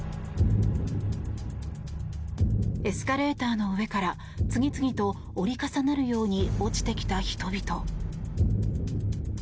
エスカレーターの上から次々と、折り重なるように落ちてきた人々。